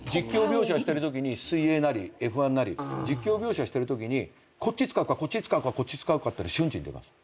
水泳なりＦ１なり実況描写してるときにこっち使うかこっち使うかこっち使うかってのは瞬時に出ます。